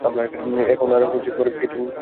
এখন আর কিছুই মনে পড়ছে না।